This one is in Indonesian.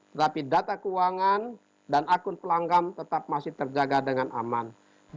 tetapi data keuangan dan akun pelanggan tetap masih terjaga dengan aman